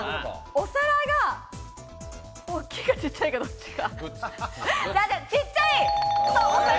お皿が大きいか、ちっちゃいか、どっちか。